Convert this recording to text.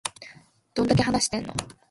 どんだけ話してんの